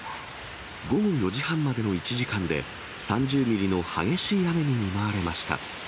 午後４時半までの１時間で、３０ミリの激しい雨に見舞われました。